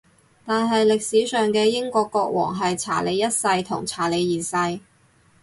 但係歷史上嘅英國國王係查理一世同查理二世